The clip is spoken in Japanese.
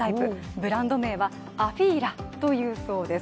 ブランド名はアフィーラというそうです。